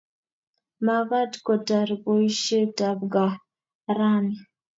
Magaat kotar boisietab gaa raini